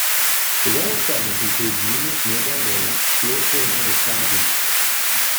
The roll of Fellows includes numerous Nobel Laureates, Pulitzer and other prize winners.